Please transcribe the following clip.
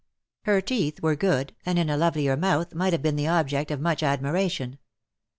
Her teeth were good^ and in a lovelier mouth might have been the object of much admiration.